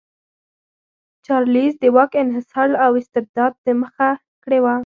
چارلېز د واک انحصار او استبداد ته مخه کړې وه.